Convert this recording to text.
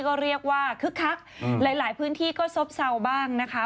ก็เรียกว่าคึกคักหลายพื้นที่ก็ซบเศร้าบ้างนะคะ